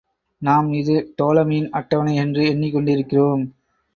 நாம் இது டோலமியின் அட்டவணை என்று எண்ணிக் கொண்டிருக்கிறோம்.